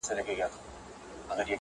• ستا بې لیدلو چي له ښاره وځم..